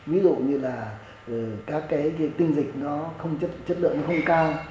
ví dụ như là các cái tinh dịch nó không chất lượng nó không cao